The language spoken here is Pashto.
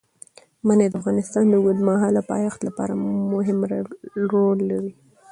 منی د افغانستان د اوږدمهاله پایښت لپاره مهم رول لري.